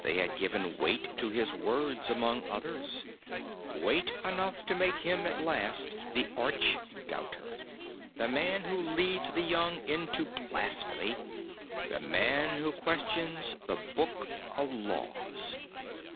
They had given weight to his words among others weight enough to make him, at last, the arch doubter, the man who leads the young into blasphemy, the man who questions the Book of Laws.